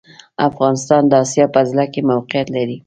افغانستان د اسیا په زړه کي موقیعت لري